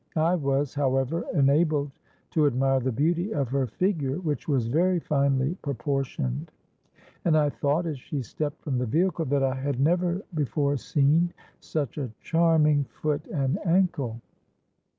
I was, however, enabled to admire the beauty of her figure, which was very finely proportioned; and I thought, as she stepped from the vehicle, that I had never before seen such a charming foot and ankle.